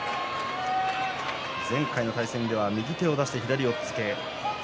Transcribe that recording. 前回の対戦では右手を出して左押っつけ。